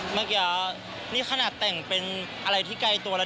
เมื่อกี้นี่ขนาดแต่งเป็นอะไรที่ไกลตัวแล้ว